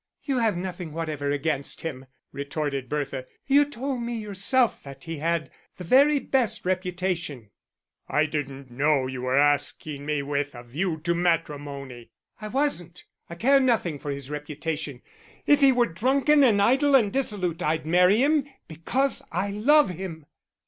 "You have nothing whatever against him," retorted Bertha; "you told me yourself that he had the very best reputation." "I didn't know you were asking me with a view to matrimony." "I wasn't. I care nothing for his reputation. If he were drunken and idle and dissolute I'd marry him, because I love him."